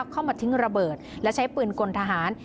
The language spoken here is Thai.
เข้ามาทิ้งระเบิดและใช้ปืนกลทหาร